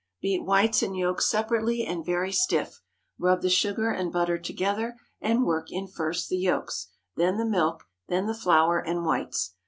Beat whites and yolks separately and very stiff, rub the sugar and butter together, and work in first the yolks, then the milk, then the flour and whites.